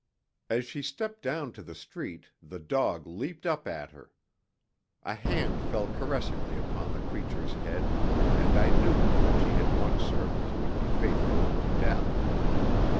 As she stepped down to the street the dog leaped up at her. A hand fell caressingly upon the creature's head, and I knew that she had one servant who would be faithful unto death.